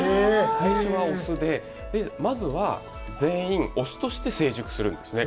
最初はオスでまずは全員オスとして成熟するんですね。